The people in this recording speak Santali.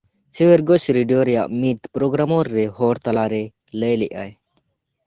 ᱥᱣᱮᱨᱤᱜᱽᱥ ᱨᱤᱰᱤᱭᱚ ᱨᱮᱭᱟᱜ ᱢᱤᱫ ᱯᱨᱚᱜᱨᱟᱢᱚᱨ ᱨᱮ ᱦᱚᱲ ᱛᱟᱞᱟᱨᱮ ᱞᱟᱹᱭ ᱞᱮᱜ-ᱟᱭ